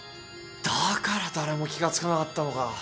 だから誰も気が付かなかったのか。